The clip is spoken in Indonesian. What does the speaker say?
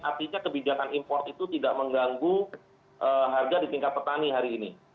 artinya kebijakan import itu tidak mengganggu harga di tingkat petani hari ini